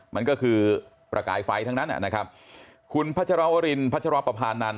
มันก็คือประกายไฟทั้งนั้นอ่ะนะครับคุณพระเจราวรินพระเจราประพานัน